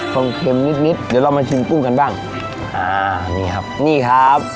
ความเค็มนิดนิดเดี๋ยวเรามาชิมกุ้งกันบ้างอ่านี่ครับนี่ครับ